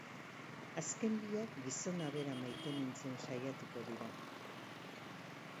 Azken biak gizona bera maitemintzen saiatuko dira.